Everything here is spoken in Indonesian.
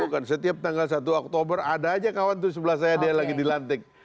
bukan setiap tanggal satu oktober ada aja kawan tuh sebelah saya dia lagi dilantik